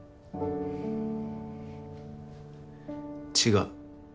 違う。